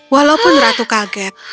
walaupun ratu kaget